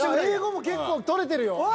英語も結構取れてるよ。